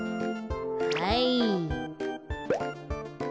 はい。